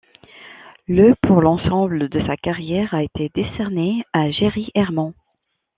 Le pour l'ensemble de sa carrière a été décerné à Jerry Herman.